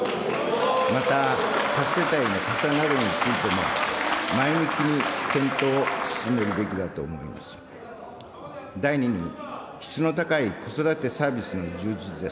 また、多子世帯への加算などについても、前向きに検討を進めるべきだと思います。